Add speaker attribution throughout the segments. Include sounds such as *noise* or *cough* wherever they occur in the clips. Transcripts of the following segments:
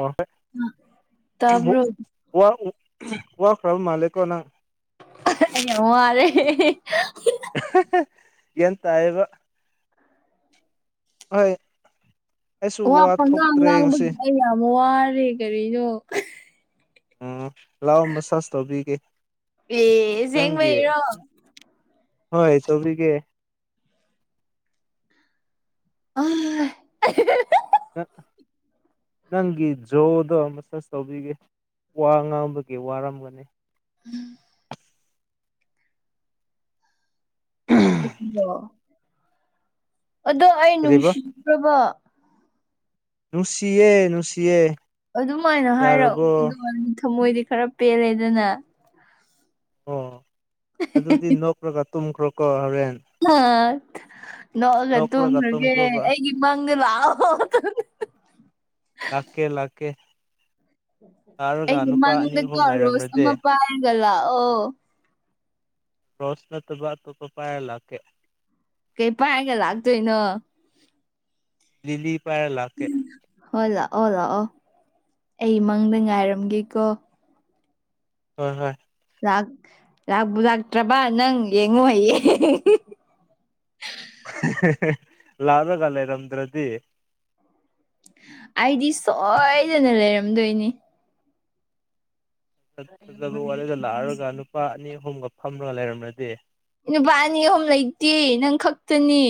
Speaker 1: ꯑꫭ ꯑꯦ
Speaker 2: ꯑ ꯇꯥꯕ꯭ꯔꯣ
Speaker 1: ꯋꯥ ꯎ ꯋꯥꯈ꯭ꯔꯥꯕ ꯃꯥꯂꯦꯀꯣ ꯅꯪ
Speaker 2: ꯑꯩ ꯌꯥꯝ ꯋꯥꯔꯦ
Speaker 1: ꯒ꯭ꯌꯥꯟ ꯇꯥꯌꯦꯕ ꯍꯣꯏ ꯑꯩꯁꯨ
Speaker 2: ꯋꯥ ꯄꯪꯉꯥꯡ
Speaker 1: ꯊꯣꯛꯇ꯭ꯔꯦ ꯉꯁꯤ
Speaker 2: ꯉꯥꯡꯕꯒꯤ ꯑꯩ ꯌꯥꯝ ꯋꯥꯔꯦ ꯀꯔꯤꯅꯣ
Speaker 1: ꯑꯣ ꯂꯥꯛꯑꯣ ꯃꯥꯁꯥꯖ ꯇꯧꯕꯤꯒꯦ
Speaker 2: ꯑꯦ
Speaker 1: ꯅꯪꯒꯤ
Speaker 2: ꯑꯁꯦꯡꯕꯩꯔꯣ
Speaker 1: ꯍꯣꯏ ꯇꯧꯕꯤꯒꯦ
Speaker 2: *inaudible*
Speaker 1: *inaudible* ꯅꯪꯒꯤ ꯖꯣꯗꯣ ꯃꯥꯁꯥꯖ ꯇꯧꯕꯤꯒꯦ ꯋꯥ ꯉꯥꯡꯕꯒꯤ ꯋꯥꯔꯝꯒꯅꯤ
Speaker 2: *inaudible* ꯑꯗꯨꯕꫭ ꯑꯗꯣ ꯑꯩ
Speaker 1: ꯀꯔꯤꯕ
Speaker 2: ꯅꯨꯡꯁꯤꯕ꯭ꯔꯥꯕ
Speaker 1: ꯅꯨꯡꯁꯤꯌꯦ ꯅꯨꯡꯁꯤꯌꯦ
Speaker 2: ꯑꯗꯨꯃꯥꯏꯅ ꯍꯥꯏꯔꯛꯑꯣ ꯑꯗꯨ
Speaker 1: ꯌꯥꯔꯕꯣ
Speaker 2: ꯑꫭꯏꯗꯤ ꯊꯃꯣꯏꯗꯤ ꯈꯔ ꯄꯦꯜꯂꯦꯗꯅ
Speaker 1: ꯑꯣ ꯑꯗꯨꯗꯤ ꯅꯣꯛꯔꯒ ꯇꯨꯝꯈ꯭ꯔꯣꯀꯣ ꯍꯣꯔꯦꯟ
Speaker 2: ꯅꯛ ꯅꯣꯛꯑꯒꯥ
Speaker 1: ꯅꯣꯛꯂꯒ
Speaker 2: ꯇꯨꯝꯈ꯭ꯔꯥꯒꯦ
Speaker 1: ꯇꯨꯝꯈ꯭ꯔꯣꯕ
Speaker 2: ꯑꯩꯒꯤ ꯃꯪꯗꯥ ꯂꯥꯛꯑꯣ ꯑꯗꯨꯅ
Speaker 1: ꯂꯥꯛꯀꯦ ꯂꯥꯛꯀꯦ ꯂꯥꯛꯔꯒ
Speaker 2: ꯑꯩꯒꯤ
Speaker 1: ꯅꯨꯄꯥ ꯑꯅꯤ ꯑꯍꯨꯝ
Speaker 2: ꯃꯪꯗꯀꯣ ꯔꯣꯁ
Speaker 1: ꯂꯩꯔꯝꯂꯗꯤ
Speaker 2: ꯑꯃꯥ ꯄꯥꯏꯔꯒ ꯂꯥꯛꯑꯣ
Speaker 1: ꯔꯣꯁ ꯅꯠꯇꯕꯥ ꯑꯇꯣꯞꯄ ꯄꯥꯏꯔ ꯂꯥꯛꯀꯦ
Speaker 2: ꯀꯩ ꯄꯥꯏꯔꯒ ꯂꯥꯛꯇꯣꯏꯅꯣ
Speaker 1: ꯂꯤꯂꯤ ꯄꯥꯏꯔ ꯂꯥꯛꯀꯦ
Speaker 2: ꯍꯣꯏ ꯂꯥꯛꯑꯣ ꯂꯥꯛꯑꯣ ꯑꯩ ꯃꯪꯗ ꯉꯥꯏꯔꯝꯒꯦꯀꯣ
Speaker 1: ꯍꯣꯏ ꯍꯣꯏ
Speaker 2: ꯂꯥꯛ ꯂꯥꯛꯄꯨ ꯂꯥꯛꯇ꯭ꯔꯥꯕ ꯅꯪ ꯌꯦꯡꯉꯣ ꯍꯌꯦꯡ
Speaker 1: ꯂꯥꯛꯔꯒ ꯂꯩꯔꯝꯗ꯭ꯔꯥꯗꯤ
Speaker 2: ꯑꯩꯗꯤ ꯁꯣꯏꯗꯅ ꯂꯩꯔꯝꯗꯣꯏꯅꯤ
Speaker 1: ꯁꯛ ꯐꯥꯖꯕ ꯋꯥꯠꯂꯦꯗ ꯂꯥꯛꯔꯒ ꯅꯨꯄꯥ ꯑꯅꯤ ꯑꯍꯨꯝꯒ ꯐꯝꯔꯥ ꯂꯩꯔꯝꯂꯥꯗꯤ
Speaker 2: ꯅꯨꯄꯥ ꯑꯅꯤ ꯑꯍꯨꯝ ꯂꯩꯇꯦ ꯅꯪ ꯈꯛꯇꯅꯤ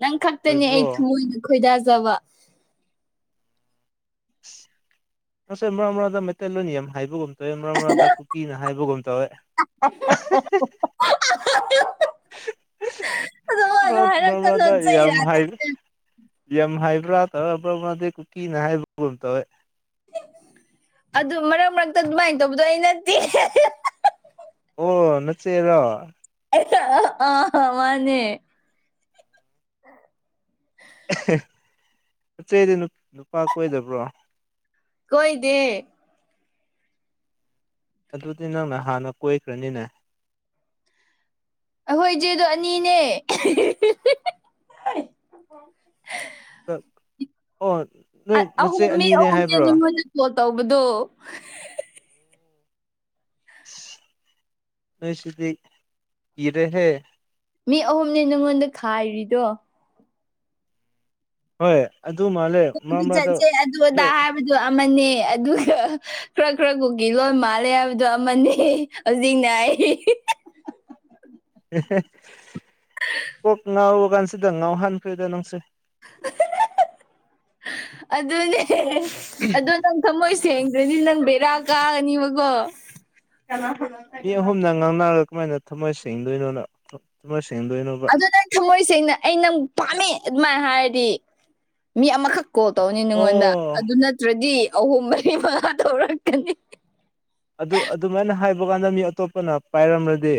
Speaker 2: ꯅꯪ ꯈꯛꯇꯅꯦ ꯑꯩ
Speaker 1: ꯑꯣꯏꯕ꯭ꯔꯣ
Speaker 2: ꯊꯃꯣꯏꯅ ꯈꯣꯏꯗꯥꯖꯕ
Speaker 1: ꯑꯁ ꯅꯪꯁꯦ ꯃꯔꯛ ꯃꯔꯛꯇꯥ ꯃꯩꯇꯩꯂꯣꯟ ꯌꯥꯝ ꯍꯥꯏꯕꯒꯨꯝ ꯇꯧꯋꯦ ꯃꯔꯛ ꯃꯔꯛꯇ ꯀꯨꯀꯤꯅ ꯍꯥꯏꯕꯒꯨꯝ ꯇꯧꯋꯦ
Speaker 2: *unintelligible* ꯑꯗꯨꯃꯥꯏꯅ ꯍꯥꯏꯔꯛꯀꯅꯣ ꯆꯩ ꯂꯥꯛꯀꯅꯤ
Speaker 1: *unintelligible* ꯌꯥꯝ ꯍꯥꯏꯕ꯭ꯔꯥ ꯇꯧꯔ *unintelligible* ꯀꯨꯀꯤꯅ ꯍꯥꯏꯕꯒꯨꯝ ꯇꯧꯋꯦ
Speaker 2: ꯑꯗꯨ ꯃꯔꯛ ꯃꯔꯛꯇ ꯑꯗꯨꯃꯥꯏꯟ ꯇꯧꯕꯗꯣ ꯑꯩ ꯅꯠꯇꯦ
Speaker 1: ꯑꯣ ꯅꯆꯦꯔꯣ
Speaker 2: ꯑꯥ ꯃꯥꯅꯦ
Speaker 1: ꯅꯆꯦꯗꯤ ꯅꯨꯞ ꯅꯨꯄꯥ ꯀꯣꯏꯗꯕ꯭ꯔꯣ
Speaker 2: ꯀꯣꯏꯗꯦ
Speaker 1: ꯑꯗꯨꯗꯤ ꯅꯪꯅ ꯍꯥꯟꯅ ꯀꯣꯏꯈ꯭ꯔꯅꯤꯅꯦ
Speaker 2: ꯑꯩꯈꯣꯏ ꯆꯦꯗꯣ ꯑꯅꯤꯅꯦ
Speaker 1: *unintelligible*
Speaker 2: ꯑꯥ
Speaker 1: ꯅꯆꯦ
Speaker 2: ꯑꯍꯨꯝ ꯃꯤ
Speaker 1: ꯑꯅꯤꯅꯦ
Speaker 2: ꯑꯍꯨꯝꯁꯦ
Speaker 1: ꯍꯥꯏꯕ꯭ꯔꯣ
Speaker 2: ꯅꯉꯣꯟꯗ ꯀꯣꯜ ꯇꯧꯕꯗꯣ
Speaker 1: ꯅꯣꯏꯁꯤꯗꯤ ꯀꯤꯔꯦꯍꯦ
Speaker 2: ꯃꯤ ꯑꯍꯨꯝꯅꯤ ꯅꯪꯉꯣꯟꯗ ꯈꯥꯏꯔꯤꯗꯣ
Speaker 1: ꯍꯣꯏ ꯑꯗꯨ ꯃꯥ
Speaker 2: ꯀꯣꯏꯕ ꯆꯠꯆꯦ ꯑꯗꯨ ꯑꯗꯥ ꯍꯥꯏꯕ ꯗꯨ ꯑꯃꯥꯅꯦ ꯑꯗꯨꯒ ꯈꯔ ꯈꯔ ꯀꯨꯀꯤ ꯂꯣꯟ ꯃꯥꯜꯂꯦ ꯍꯥꯏꯕꯗꯣ ꯑꯃꯥꯅꯦ ꯍꯧꯖꯤꯛꯅ ꯑꯩ
Speaker 1: ꯑꯦꯍꯦ ꯀꯣꯛ ꯉꯥꯎꯕ ꯀꯥꯟꯁꯤꯗ ꯉꯥꯎꯍꯥꯟꯈ꯭ꯔꯦꯗ ꯅꯪꯁꯦ
Speaker 2: *unintelligible* ꯑꯗꯨꯅꯦ ꯑꯗꯨ ꯅꯪ ꯊꯝꯃꯣꯏ ꯆꯦꯡꯒ꯭ꯔꯗꯤ ꯅꯪ ꯕꯦꯔꯥ ꯀꯥꯒꯅꯤꯕꯒꯣ *unintelligible*
Speaker 1: ꯃꯤ ꯑꯍꯨꯝꯅ ꯉꯥꯡꯅꯔ ꯀꯃꯥꯏꯅ ꯊꯃꯣꯏ ꯁꯦꯡꯗꯣꯏꯅꯣꯅ ꯊꯃꯣꯏ ꯁꯦꯡꯗꯣꯏꯅꯣ
Speaker 2: ꯑꯗꯨ ꯅꯪ ꯊꯝꯃꯣꯏ ꯁꯦꯡꯅ ꯑꯩ ꯅꯪ ꯄꯥꯝꯃꯦ ꯑꯗꯨꯃꯥꯏ ꯍꯥꯏꯔꯗꯤ ꯃꯤ ꯑꯃꯥꯈꯛ ꯀꯣꯜ ꯇꯧꯅꯤ ꯅꯉꯣꯟꯗ
Speaker 1: ꯑꯣ
Speaker 2: ꯑꯗꯨ ꯅꯠꯇ꯭ꯔꯗꯤ ꯑꯍꯨꯝ ꯃꯔꯤ ꯃꯉꯥ ꯇꯧꯔꯛꯀꯅꯤ
Speaker 1: ꯑꯗꯨ ꯑꯗꯨꯃꯥꯏꯅ ꯍꯥꯏꯕ ꯀꯥꯟꯗ ꯃꯤ ꯑꯇꯣꯞꯄꯅ ꯄꯥꯏꯔꯝꯂꯗꯤ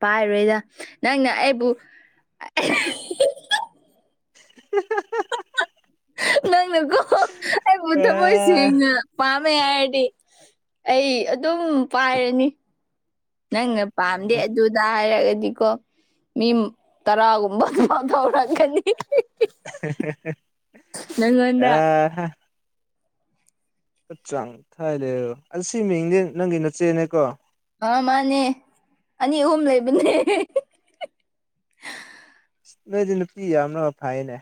Speaker 2: ꯄꯥꯏꯔꯣꯏꯗ ꯅꯪꯅ ꯑꯩꯕꯨ
Speaker 1: *unintelligible*
Speaker 2: ꯅꯪꯅꯀꯣ ꯑꯩꯕꯨ ꯊꯃꯣꯏ
Speaker 1: ꯑꯦ
Speaker 2: ꯁꯦꯡꯅ ꯄꯥꯝꯃꯦ ꯍꯥꯏꯔꯗꯤ ꯑꯩ ꯑꯗꯨꯝ ꯄꯥꯏꯔꯅꯤ ꯅꯪꯅ ꯄꯥꯝꯗꯦ
Speaker 1: ꯎꯝ
Speaker 2: ꯑꯗꯨꯗꯥ ꯍꯥꯏꯔꯒꯗꯤꯀꯣ ꯃꯤꯝ ꯇꯔꯥꯒꯨꯝꯕ ꯐꯣꯟ ꯇꯧꯔꯛꯀꯅꯤ ꯅꯪꯉꯣꯟꯗ
Speaker 1: *unintelligible* ꯑꯆꯥꯡ ꯊꯥꯔꯦꯔꯣ ꯑꯁꯤ ꯃꯤꯡꯗꯤ ꯅꯪꯒꯤ ꯅꯆꯦꯅꯦꯀꯣ
Speaker 2: ꯑꯥ ꯃꯥꯅꯦ ꯑꯅꯤ ꯑꯍꯨꯝ ꯂꯩꯕꯅꯦ
Speaker 1: ꯅꯣꯏꯗꯤ ꯅꯨꯄꯤ ꯌꯥꯝꯔꯒ ꯐꯩꯌꯦꯅꯦ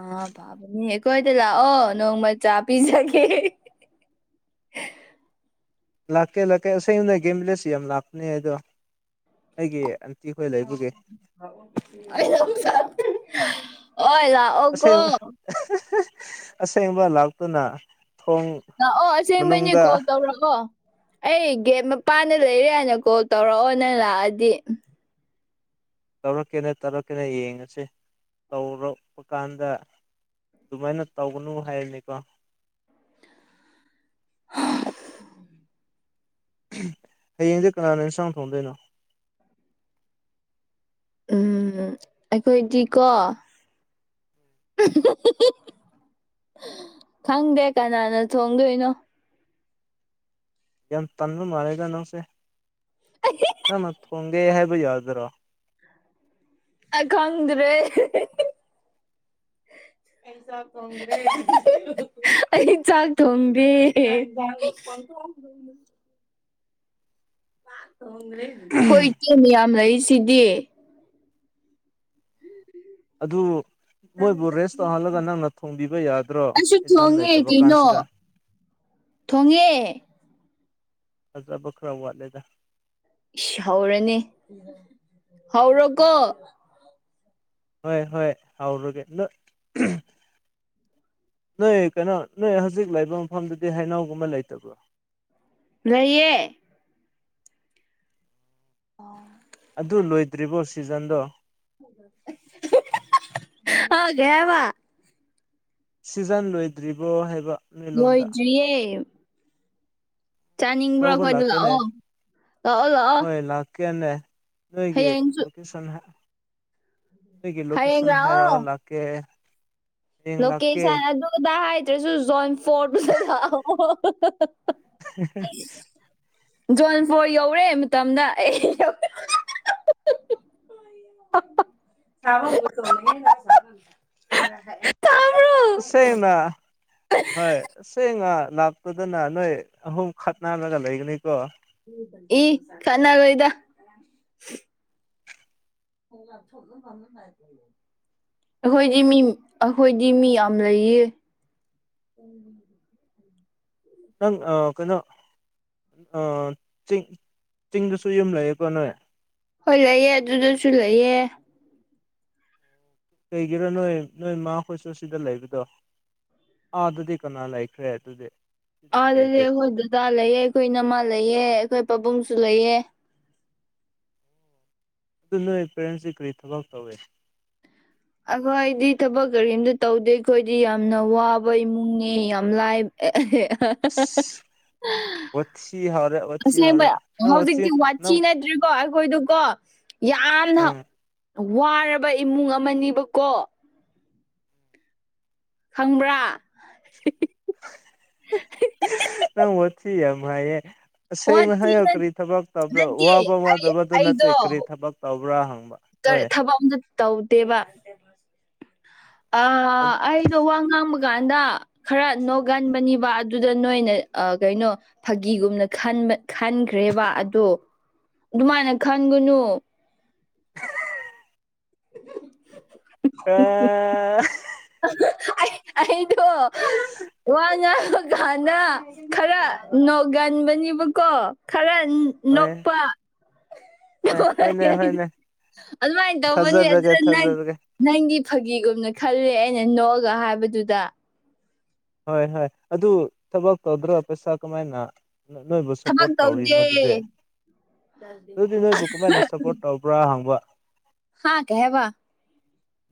Speaker 2: ꯑꯥ ꯐꯥꯕꯅꯦ ꯑꯈꯣꯏꯗ ꯂꯥꯛꯑꯣ ꯅꯣꯡꯃꯥ ꯆꯥ ꯄꯤꯖꯒꯦ
Speaker 1: ꯂꯥꯛꯀꯦ ꯂꯥꯛꯀꯦ ꯑꯁꯦꯝꯅꯦ ꯒꯦꯝ ꯕꯤꯂꯦꯖ ꯌꯥꯝ ꯂꯥꯛꯄꯅꯦ ꯑꯗꯣ ꯑꯩꯒꯤ ꯈꯣꯏ ꯂꯩꯕꯒꯤ
Speaker 2: *unintelligible* ꯑꯣꯏ ꯂꯥꯛ
Speaker 1: ꯑꯁꯦꯕ ꯑꯁꯦꯡꯕ ꯂꯥꯛꯇꯨꯅ ꯊꯣꯡ
Speaker 2: ꯂꯥꯛꯑꯣ ꯑꯁꯦꯡꯕꯩꯅꯦ
Speaker 1: ꯃꯅꯨꯡꯗ
Speaker 2: ꯀꯣꯜ ꯇꯧꯔꯛꯑꯣ ꯑꯩ ꯒꯦꯠ ꯃꯄꯥꯟꯗ ꯂꯩꯔꯦ ꯍꯥꯏꯅ ꯀꯣꯜ ꯇꯧꯔꯛꯑꯣ ꯅꯪ ꯂꯥꯛꯑꯗꯤ
Speaker 1: ꯇꯧꯔꯛꯀꯦꯅ ꯇꯧꯔꯛꯀꯦꯅ ꯌꯦꯡꯉꯁꯦ ꯇꯧꯔꯛꯄ ꯀꯥꯟꯗ ꯗꯨꯃꯥꯏꯅ ꯇꯧꯒꯅꯨ ꯍꯥꯏꯔꯅꯤꯀꯣ ꯍꯌꯦꯡꯁꯦ ꯀꯅꯥꯅ ꯏꯟꯁꯥꯡ ꯊꯣꯡꯗꯣꯏꯅꯣ
Speaker 2: ꯎꯝ ꯑꯩꯈꯣꯏꯗꯤꯀꯣ *unintelligible* ꯈꯪꯗꯦ ꯀꯅꯥꯅ ꯊꯣꯡꯗꯣꯏꯅꯣ
Speaker 1: ꯌꯥꯝ ꯇꯟꯕ ꯃꯥꯜꯂꯦꯗ ꯅꯪꯁꯦ ꯅꯪꯅ ꯊꯣꯡꯒꯦ ꯍꯥꯏꯕ ꯌꯥꯗꯔꯣ
Speaker 2: ꯑꯩ ꯈꯪꯗꯔꯦ ꯑꯩ ꯆꯥꯛ ꯊꯣꯡꯗꯦ *inaudible* ꯍꯣꯏ ꯏꯇꯤꯡ ꯃꯌꯥꯝ ꯂꯩꯔꯤꯁꯤꯗꯤ
Speaker 1: ꯑꯗꯨ ꯃꯣꯏꯕꯨ ꯔꯦꯁ ꯇꯧꯍꯜꯂꯒ ꯅꯪꯅ ꯊꯣꯡꯕꯤꯕ ꯌꯥꯗ꯭ꯔꯣ
Speaker 2: ꯑꯩꯁꯨ
Speaker 1: ꯑꯦꯛꯖꯥꯝ
Speaker 2: ꯊꯣꯡꯉꯦ
Speaker 1: ꯂꯩꯇꯕ
Speaker 2: ꯀꯩꯅꯣ
Speaker 1: ꯀꯥꯟꯁꯤꯗ
Speaker 2: ꯊꯣꯡꯉꯦ
Speaker 1: ꯊꯖꯕ ꯈꯔꯥ ꯋꯥꯠꯂꯦꯗ
Speaker 2: ꯏꯁ ꯍꯧꯔꯦꯅꯦ ꯍꯧꯔꯣꯀꯣ
Speaker 1: ꯍꯣꯏ ꯍꯣꯏ ꯍꯧꯔꯒꯦ ꯅꯣꯏ ꯅꯣꯏ ꯀꯩꯅꯣ ꯅꯣꯏ ꯍꯧꯖꯤꯛ ꯂꯩꯕ ꯃꯐꯝꯗꯨꯗꯤ ꯍꯩꯅꯧ ꯒꯨꯝꯕ ꯂꯩꯇꯕ꯭ꯔꯣ
Speaker 2: ꯂꯩꯌꯦ *inaudible*
Speaker 1: ꯑꯗꯨ ꯂꯣꯏꯗ꯭ꯔꯤꯕꯣ ꯁꯤꯖꯟꯗꯣ
Speaker 2: ꯍꯥ ꯀꯩ ꯍꯥꯏꯕ
Speaker 1: ꯁꯤꯖꯟ ꯂꯣꯏꯗ꯭ꯔꯤꯕꯣ ꯍꯥꯏꯕ ꯅꯣꯏ ꯂꯣꯝꯗ
Speaker 2: ꯂꫭꯏꯗ꯭ꯔꯤꯌꯦ
Speaker 1: ꯂꯧꯕ
Speaker 2: ꯑꯩꯈꯣꯏꯗ
Speaker 1: ꯂꯥꯛꯀꯦꯅꯦ
Speaker 2: ꯂꯥꯛꯑꯣ ꯂꯥꯛꯑꯣ ꯂꯥꯛꯑꯣ
Speaker 1: ꯍꯣꯏ ꯂꯥꯛ ꯀꯦꯅꯦ ꯅꯣꯏꯒꯤ
Speaker 2: ꯍꯌꯦꯡꯁꯨ
Speaker 1: ꯂꫭꯀꯦꯁꯟ ꯍꯥꯏꯌꫭ ꯅꯣꯏꯒꯤ
Speaker 2: ꯍꯌꯦꯡ
Speaker 1: ꯂꯣꯀꯦꯁꯟ ꯍꯥꯏꯔꯛꯑꯣ
Speaker 2: ꯂꯥꯛꯑꯣ
Speaker 1: ꯂꯥꯛꯀꯦ ꯍꯌꯦꯡ ꯂꯥꯛꯀꯦ
Speaker 2: ꯂꯣꯀꯦꯁꯟ ꯑꯗꯨꯗ ꯍꯥꯏꯗ꯭ꯔꯁꯨ ꯖꯣꯟ ꯐꯣꯔꯗꯨꯗ ꯂꯥꯛꯑꯣ *unintelligible* ꯖꯣꯟ ꯐꯣꯔ ꯌꯧꯔꯦ ꯃꯇꯝꯗ ꯑꯩ *unintelligible*
Speaker 1: ꯁꯦꯡꯉ ꯍꯣꯏ ꯁꯦꯡꯉ ꯅꯪ ꯑꯗꯨꯗꯅ ꯅꯣꯏ ꯑꯍꯨꯝ ꯈꯠ ꯅꯂꯒ ꯂꯩꯒꯅꯤꯀꯣ
Speaker 2: ꯏ ꯈꯠꯅ ꯔꯣꯏꯗ *unintelligible* ꯑꯩꯈꯣꯏꯗꯤ ꯃꯤ ꯑꯩꯈꯣꯏꯗꯤ ꯃꯤ ꯌꯥꯝ ꯂꯩꯌꯦ *inaudible*
Speaker 1: ꯅꯪ ꯑ ꯀꯩꯅꯣ ꯑ ꯆꯤꯡ ꯆꯤꯡꯗꯁꯨ ꯌꯨꯝ ꯂꯩꯌꯦꯀꯣ ꯅꯣꯏ
Speaker 2: ꯍꯣꯏ ꯂꯩꯑꯦ ꯑꯗꯨꯗꯁꯨ ꯂꯩꯌꯦ
Speaker 1: ꯀꯩꯒꯤꯔꯣ ꯅꯣꯏ ꯅꯣꯏ ꯃꯥ ꯍꫭꯏꯁꯨ ꯁꯤꯗ ꯂꯩꯕꯗꯣ ꯑꯥꯗꯗꯤ ꯀꯅꯥ ꯂꯩꯈ꯭ꯔꯦ ꯑꯗꯨꯗꯤ ꯁꯤꯗ
Speaker 2: ꯑꯥꯗꯗꯤ
Speaker 1: ꯂꯩꯔꯗꯤ
Speaker 2: ꯑꯩꯈꯣꯏ ꯗꯥꯗꯥ ꯂꯩꯌꯦ ꯑꯩꯈꯣꯏ ꯏꯅꯝꯃꯥ ꯂꯩꯌꯦ ꯑꯩꯈꯣꯏ ꯄꯥꯕꯨꯡꯁꯨ ꯂꯩꯌꯦ
Speaker 1: ꯑꯗꯨ ꯅꯣꯏ ꯄꯦꯔꯦꯟꯁꯁꯤ ꯀꯔꯤ ꯊꯕꯛ ꯇꯧꯏ
Speaker 2: ꯑꯈꯣꯏ ꯑꯩꯗꯤ ꯊꯕꯛ ꯀꯔꯤꯝꯇ ꯇꯧꯗꯦ ꯑꯩꯈꯣꯏꯗꯤ ꯌꯥꯝꯅ ꯋꯥꯕ ꯏꯃꯨꯡꯅꯤ ꯌꯥꯝ ꯂꯥꯏ *unintelligible*
Speaker 1: ꯏꯁ ꯋꯥꯊꯤ ꯍꯧꯔꯦ ꯋꯥꯊꯤ
Speaker 2: ꯑꯁꯦꯡꯕ
Speaker 1: ꯍꯧꯔꯦ ꯅꯪ
Speaker 2: ꯍꯧꯖꯤꯛꯇꯤ ꯋꯥꯊꯤ
Speaker 1: ꯅꯪ
Speaker 2: ꯅꯠꯇ꯭ꯔꯦ ꯀꯣ ꯑꯩꯈꯣꯏꯗꯨꯀꯣ ꯌꯥꯝꯅ
Speaker 1: ꯎꯝ
Speaker 2: ꯋꯥꯔꯕ ꯏꯃꯨꯡ ꯑꯃꯅꯤꯕꯀꯣ ꯈꯪꯕ꯭ꯔꯥ꯫
Speaker 1: ꯅꯪ ꯋꯥꯊꯤ ꯌꯥꯝ ꯍꯥꯏꯌꯦ꯫ ꯇꯁꯦꯡꯅ
Speaker 2: ꯋꯥꯊꯤ
Speaker 1: ꯍꯥꯏꯌꯣ ꯀꯔꯤ ꯊꯕꯛ ꯇꯧꯕ꯭ꯔꯣ
Speaker 2: ꯅꯠꯇꯦ
Speaker 1: ꯋꯥꯕ ꯋꯥꯗꯕꯗꯨ ꯅꯠꯇꯦ ꯀꯔꯤ ꯊꯕꯛ ꯇꯧꯕ꯭ꯔꯥ ꯍꯪꯕ꯫
Speaker 2: ꯀꯥ
Speaker 1: ꯍꯣꯏ
Speaker 2: ꯊꯕꯛ ꯑꯝꯇ ꯇꯧꯗꯦꯕ꯫ *inaudible* ꯑ ꯑꯩꯗꯣ ꯋꯥ ꯉꯥꯡꯕ ꯀꯥꯟꯗ ꯈꯔ ꯅꯣꯛꯒꯟꯕꯅꯤꯕ ꯑ ꯗꯨꯗ ꯅꯣꯏꯅ ꯑꯥ ꯀꯩꯅꯣ ꯐꯥꯒꯤꯒꯨꯝꯅ ꯈꯟꯕ ꯈꯟꯈ꯭ꯔꯦꯕ ꯑꯗꯨ꯫ ꯑꯗꯨꯃꯥꯏꯅ ꯈꯟꯒꯨꯅꯨ꯫
Speaker 1: ꯑꯥ
Speaker 2: *unintelligible* ꯑꯩ ꯑꯩꯗꯣ ꯋꯥ ꯉꯥꯡꯕ ꯀꯥꯟꯗ ꯈꯔꯥ ꯅꯣꯛꯒꯟꯕꯅꯦꯕꯀꯣ ꯈꯔ
Speaker 1: ꯍꯣꯏ
Speaker 2: ꯅꯣꯛꯄꯥ
Speaker 1: ꯍꯣꯏ ꯍꯣꯏꯅꯦ ꯍꯣꯏꯅꯦ
Speaker 2: *unintelligible* ꯑꯗꯨꯃꯥꯥꯏ ꯇꯧꯕꯅꯦ
Speaker 1: ꯊꯥꯖꯔꯒꯦ
Speaker 2: ꯑꯗꯨꯗ ꯅꫭꯏ
Speaker 1: ꯊꯥꯖꯔꯒꯦ
Speaker 2: ꯅꯪꯗꯤ ꯐꯒꯤꯒꯨꯝꯅ ꯈꯜꯂꯦ ꯑꯩꯅ ꯅꯣꯛꯑꯒ ꯍꯥꯏꯕꯗꯨꯗ꯫
Speaker 1: ꯍꯣꯏ ꯍꯣꯏ ꯑꯗꯨ ꯊꯕꯛ ꯇꯧꯗ꯭ꯔꯒ ꯄꯩꯁꯥ ꯀꯃꯥꯏꯅ ꯅꯣꯏꯕꯨ
Speaker 2: ꯊꯕꯛ
Speaker 1: ꯁꯞꯄꯣꯔꯠ ꯇꯧꯔꯤꯅꯣ
Speaker 2: ꯇꯧꯗꯦ
Speaker 1: ꯑꯗꯨꯗꯤ ꯑꯗꯨꯗꯤ ꯅꯣꯏꯕꯨ ꯀꯃꯥꯏꯅ ꯁꯞꯄꯣꯔꯠ ꯇꯧ ꯕ꯭ꯔꯥ ꯍꯪꯕ꯫
Speaker 2: ꯍꯥꯥ ꯀꯩ ꯍꯥꯏꯕ꯫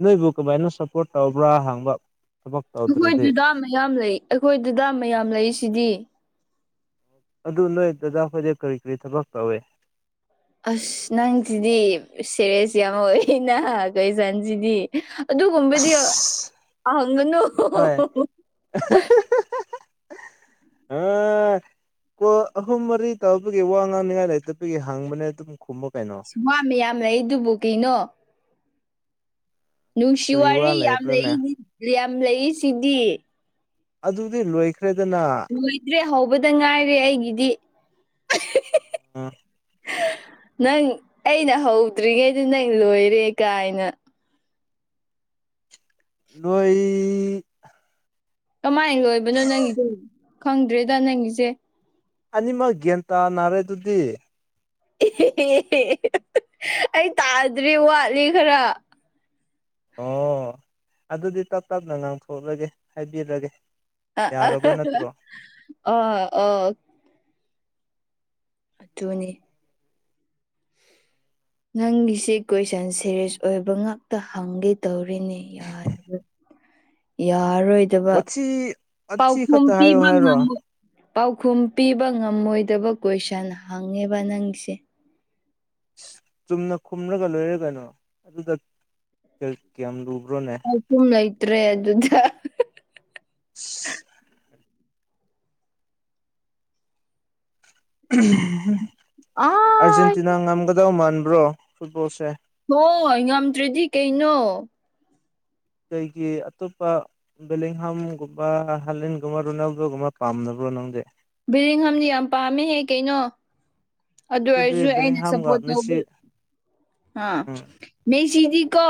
Speaker 1: ꯅꯣꯏꯕꯨ ꯀꯃꯥꯏꯅ ꯁꯞꯄꯣꯔꯠ ꯇꯧꯕ꯭ꯔꯥ ꯍꯪꯕ꯫ ꯊꯕꯛ
Speaker 2: ꯑꯩꯈꯣꯏ
Speaker 1: ꯇꯧꯗ꯭ꯔꯗꯤ
Speaker 2: ꯗꯗꯥ ꯃꯌꯥꯝ ꯂꯩ ꯑꯩꯈꯣꯏ ꯗꯗꯥ ꯃꯌꯥꯝ ꯂꯩꯁꯤꯗꯤ꯫
Speaker 1: ꯑꯗꯨ ꯅꯣꯏ ꯗꯗꯥ ꯈꯣꯏꯗꯤ ꯀꯔꯤ ꯀꯔꯤ ꯊꯕꯛ ꯇꯧꯋꯦ꯫
Speaker 2: ꯑꯁ ꯅꯪꯁꯤꯗꯤ ꯁꯦꯔꯦꯁ ꯌꯥꯃ ꯑꯣꯏꯌꯦꯅꯥ ꯀꯣꯏꯁꯟꯁꯤꯗꯤ꯫ ꯑꯗꯨꯒꯨꯝꯕꯗꯤ
Speaker 1: ꯑꯁ
Speaker 2: ꯍꯪꯒꯅꯨ꯫
Speaker 1: ꯍꯣꯏ
Speaker 2: *unintelligible*
Speaker 1: *unintelligible* ꯀꯣꯜ ꯑꯍꯨꯝ ꯃꯔꯤ ꯇꯧꯕꯒꯤ ꯋꯥ ꯉꯥꯡꯅꯤꯡꯉꯥꯏ ꯂꯩꯇꯕꯒꯤ ꯍꯥꯡꯕꯅꯦ ꯑꯗꯨꯝ ꯈꯨꯝꯃꯨ ꯀꯩꯅꯣ꯫
Speaker 2: ꯋꯥ ꯃꯌꯥꯝ ꯂꯩ ꯑꯗꯨꯕꯨ ꯀꯩꯅꯣ꯫ ꯅꯨꯡꯁꯤ
Speaker 1: ꯀꯔꯤ ꯋꯥ
Speaker 2: ꯋꯥꯔꯤ ꯌꯥꯝ
Speaker 1: ꯂꯩꯕ꯭ꯔꯥꯅꯦ
Speaker 2: ꯂꯩꯗꯤ ꯌꯥꯝ ꯂꯩ ꯁꯤꯗꯤ꯫
Speaker 1: ꯑꯗꯨꯗꯤ ꯂꯣꯏꯈ꯭ꯔꯦꯗꯅꯥ꯫
Speaker 2: ꯂꯣꯏꯗ꯭ꯔꯦ ꯍꯧꯕꯗ ꯉꯥꯏꯔꯦ ꯑꯩꯒꯤꯗꯤ꯫ *unintelligible*
Speaker 1: *unintelligible*
Speaker 2: *unintelligible* ꯅꯪ ꯑꯩꯅ ꯍꯧꯗ꯭ꯔꯤꯉꯩꯗ ꯅꯪ ꯂꯣꯏꯔꯦ ꯀꯥꯏꯅ꯫
Speaker 1: ꯅꯣꯏ
Speaker 2: ꯀꯃꯥꯏꯟ ꯂꯣꯏꯕꯅꯣ ꯅꯪꯒꯤꯗꯨ ꯈꯪꯗ꯭ꯔꯦꯗ ꯅꯪꯒꯤꯁꯦ꯫
Speaker 1: ꯑꯅꯤꯃꯛ ꯒ꯭ꯋꯥꯟ ꯇꯥꯅꯔꯦ ꯑꯗꯨꯗꯤ꯫
Speaker 2: *unintelligible* ꯑꯩ ꯇꯥꯗ꯭ꯔꯤ ꯋꯥꯠꯂꯤ ꯈꯔ꯫
Speaker 1: ꯑꯣ ꯑꯗꯨꯗꯤ ꯇꯞ ꯇꯞꯅ ꯉꯥꯡꯊꯣꯛꯂꯒꯦ ꯍꯥꯏꯕꯤꯔꯒꯦ꯫ ꯌꯥꯔꯕ ꯅꯠꯇ꯭ꯔꯣ
Speaker 2: *unintelligible* ꯑꯣ ꯑꯣ꯫ ꯑꯗꯨꯅꯤ꯫ ꯅꯪꯒꯤꯁꯦ ꯀꯣꯏꯁꯟ ꯁꯦꯔꯦꯁ ꯑꯣꯏꯕ ꯉꯥꯛꯇ ꯍꯪꯒꯦ ꯇꯧꯔꯤꯅꯦ ꯌꯥ *inaudible* ꯌꯥꯔꯔꯣꯏꯗꯕ
Speaker 1: ꯋꯥꯊꯤ ꯋꯥꯊꯤ
Speaker 2: ꯄꯥꯎꯈꯨꯝ
Speaker 1: ꯈꯛꯇ ꯍꯥꯏꯌꯣ
Speaker 2: ꯄꯤꯕ
Speaker 1: ꯍꯥꯏꯔꯣ
Speaker 2: ꯉꯝꯃꯣ ꯄꯥꯎꯈꯨꯝ ꯄꯤꯕ ꯉꯝꯃꯣꯏꯗꯕ ꯀꯣꯏꯁꯟ ꯍꯪꯉꯦꯕ ꯅꯪꯁꯦ꯫
Speaker 1: ꯑꯁ ꯆꯨꯝꯅ ꯈꯨꯝꯔꯒ ꯂꯣꯏꯔꯦ ꯀꯩꯅꯣ ꯑꯗꯨꯗ ꯀ ꯀꯌꯥꯝ ꯂꯨꯕ꯭ꯔꯣꯅꯦ꯫
Speaker 2: ꯄꯥꯎꯈꯨꯝ ꯂꯩꯇ꯭ꯔꯦ ꯑꯗꯨꯗ꯫
Speaker 1: *inaudible* *unintelligible*
Speaker 2: ꯑꯥ
Speaker 1: ꯑꯥꯔꯖꯦꯟꯇꯤꯅꯥ ꯉꯝꯒꯗꯕ ꯃꯥꯟꯕ꯭ꯔꯣ ꯐꯨꯠꯕꯣꯜꯁꯦ꯫
Speaker 2: ꯍꯣꯏ ꯉꯝꯗ꯭ꯔꯗꯤ ꯀꯩꯅꯣ
Speaker 1: ꯀꯩꯒꯤ ꯑꯇꯣꯞꯄ ꯕꯦꯂꯤꯡꯍꯝꯒꯨꯝꯕ ꯍꯂꯦꯟꯒꯨꯝꯕ ꯔꯣꯅꯥꯜꯗꯣꯒꯨꯝꯕ ꯄꯥꯝꯗꯕ꯭ꯔꯣ ꯅꯪꯗꯤ
Speaker 2: ꯕꯦꯂꯤꯡꯍꯝꯗꯤ ꯌꯥꯝ ꯄꯥꯝꯃꯤꯍꯦ ꯀꯩꯅꯣ ꯑꯗꯨ
Speaker 1: ꯑꯗꯨꯗꯤ
Speaker 2: ꯑꯣꯏꯔꯁꯨ ꯑꯩꯅ
Speaker 1: ꯕꯦꯂꯤꯡꯍꯥꯝꯒ
Speaker 2: ꯁꯞꯄꯣꯔꯠ ꯇꯧꯕ
Speaker 1: ꯃꯦꯁꯤ
Speaker 2: ꯍꯥ
Speaker 1: ꯎꯝ
Speaker 2: ꯃꯦꯁꯤꯗꯤꯀꯣ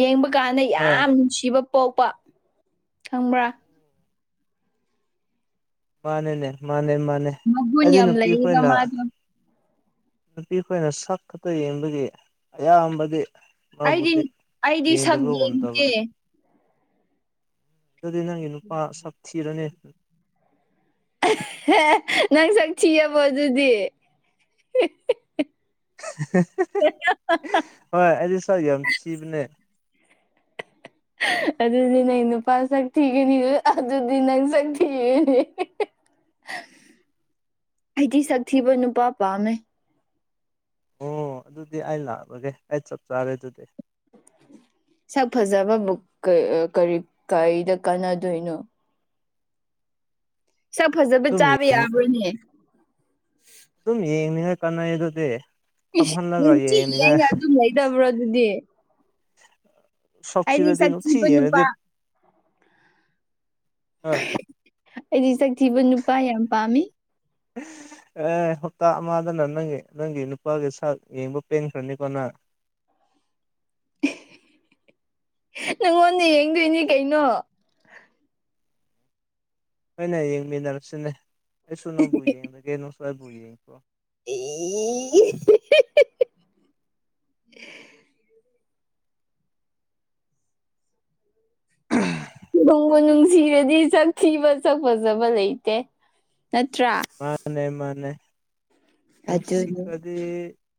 Speaker 2: ꯌꯦꯡꯕ ꯀꯥꯟꯗ
Speaker 1: ꯍꯣꯏ
Speaker 2: ꯌꯥꯝ ꯅꯨꯡꯁꯤꯕ ꯄꯣꯛꯄ ꯈꯪꯕ꯭ꯔꯥ
Speaker 1: ꯃꯥꯅꯤꯅꯦ ꯃꯥꯅꯦ ꯃꯥꯅꯦ
Speaker 2: ꯃꯒꯨꯟ
Speaker 1: ꯑꯩꯗꯤ
Speaker 2: ꯌꯥꯝ ꯂꯩꯌꯦꯅ ꯃꯥ ꯗꯨ
Speaker 1: ꯅꯨꯄꯤ ꯑꯈꯣꯏꯅ ꯁꯛ ꯈꯛꯇ ꯌꯦꯡꯕꯒꯤ ꯑꯌꯥꯝꯕꯗꯤ ꯃꯥꯕꯨꯗꯤ
Speaker 2: ꯑꯩꯗꯤ ꯑꯩꯗꯤ ꯁꯛ
Speaker 1: ꯌꯦꯡꯗꯕ ꯉꯝꯗꯕ
Speaker 2: ꯌꯦꯡꯗꯦ
Speaker 1: ꯑꯗꯨꯗꯤ ꯅꯪꯒꯤ ꯅꯨꯄꯥ ꯁꯥꯛꯊꯤꯔꯅꯤ
Speaker 2: ꯅꯪ ꯁꯛ ꯊꯤꯔꯕꯣ ꯑꯗꯨꯗꯤ
Speaker 1: *unintelligible* ꯍꯣꯏ ꯑꯩꯗꯤ ꯁꯛ ꯌꯥꯝ ꯊꯤꯕꯅꯦ
Speaker 2: ꯑꯗꯨꯗꯤ ꯅꯪ ꯅꯨꯄꯥ ꯁꯛ ꯊꯤꯒꯅꯤ ꯑꯗꯨꯗꯤ ꯅꯪ ꯁꯛ ꯊꯤꯔꯦꯅꯦ
Speaker 1: *inaudible*
Speaker 2: ꯑꯩꯗꯤ ꯁꯛ ꯊꯤꯕ ꯅꯨꯄꯥ ꯄꯥꯝꯃꯦ
Speaker 1: ꯑꯣ ꯑꯗꯨꯗꯤ ꯑꯩ ꯂꯥꯛꯔꯒꯦ ꯑꯩ ꯆꯞ ꯆꯥꯔꯦ ꯑꯗꯨꯗꯤ
Speaker 2: ꯁꯛ ꯐꯖꯕ ꯕꯨ ꯀꯔꯤ ꯀꯔꯤꯗ ꯀꯥꯟꯅꯗꯣꯏꯅꯣ ꯁꯛ ꯐꯖꯕ
Speaker 1: ꯑꯗꯨꯝ
Speaker 2: ꯆꯥꯕ
Speaker 1: ꯌꯦꯡ
Speaker 2: ꯌꯥꯕ꯭ꯔꯣꯅꯦ
Speaker 1: ꯑꯗꯨꯝ ꯌꯦꯡꯅꯤꯉꯥꯏ ꯀꯥꯟꯅꯩꯌꯦꯗꯨꯗꯤ
Speaker 2: ꯏꯁ ꯅꯨꯡꯇꯤꯒꯤ ꯌꯦꯡꯒ ꯑꯗꯨꯝ ꯂꯩꯗꯕ꯭ꯔꯣ ꯑꯗꯨꯗꯤ
Speaker 1: ꯁꯛ
Speaker 2: ꯑꯩꯗꯤ
Speaker 1: ꯊꯤꯔꯗꯤ
Speaker 2: ꯁꯛ ꯊꯤꯕ
Speaker 1: ꯅꯨꯡꯇꯤꯒꯤ ꯌꯦꯡꯑꯗꯤ
Speaker 2: ꯅꯨꯄꯥ
Speaker 1: *inaudible* ꯑ
Speaker 2: ꯑꯩꯗꯤ ꯁꯛ ꯊꯤꯕ ꯅꯨꯄꯥ ꯌꯥꯝ ꯄꯥꯝꯃꯤ
Speaker 1: ꯑꯦ ꯍꯞꯇꯥ ꯑꯃꯗꯅ ꯅꯪꯒꯤ ꯅꯪꯒꯤ ꯅꯨꯄꯥꯒꯤ ꯁꯛ ꯌꯦꯡꯕ ꯄꯦꯟꯈ꯭ꯔꯅꯤꯀꯣ ꯅꯪ
Speaker 2: ꯅꯪꯉꯣꯟꯗ ꯌꯦꯡꯗꯣꯏꯅꯤ ꯀꯩꯅꯣ
Speaker 1: ꯍꯩꯅ ꯌꯦꯡꯃꯤꯟꯅꯔꯁꯤꯅꯦ ꯑꯩꯁꯨ ꯅꯪꯕꯨ ꯌꯦꯡꯂꯒꯦ ꯅꯪꯁꯨ ꯑꯩꯕꯨ ꯌꯦꯡꯈ꯭ꯔꯣ
Speaker 2: *unintelligible* ꯎ *unintelligible* ꯅꯨꯡꯕꯨ ꯅꯨꯡꯁꯤꯔꯗꯤ ꯁꯥꯛ ꯊꯤꯕ ꯁꯛ ꯐꯖꯕ ꯂꯩꯇꯦ ꯅꯠꯇ꯭ꯔꯥ
Speaker 1: ꯃꯥꯅꯦ ꯃꯥꯅꯦ
Speaker 2: ꯑꯗꯨꯅꯤ
Speaker 1: ꯅꯨꯡꯁꯤꯈ꯭ꯔꯗꯤ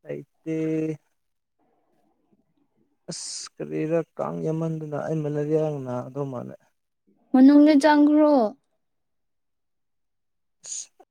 Speaker 1: ꯂꯩꯇꯦ ꯑꯁ ꯀꯔꯤꯔꯥ ꯀꯥꯡ ꯌꯥꯝꯃꯟꯗꯨꯅ ꯑꯩ ꯃꯦꯂꯩꯔꯤꯌꯥ ꯅꯥꯒꯗꯧ ꯃꯥꯜꯂꯦ
Speaker 2: ꯃꯅꯨꯡꯗ ꯆꯪꯒ꯭ꯔꯣ
Speaker 1: *unintelligible*